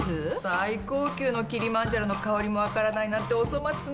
最高級のキリマンジャロの香りもわからないなんてお粗末ね。